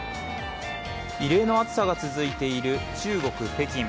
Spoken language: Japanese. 異例の暑さが続いている中国・北京。